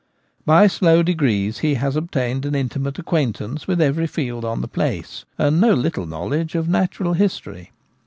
By slow degrees he has obtained an intimate acquaintance with every field on the place, and no little knowledge of natural history.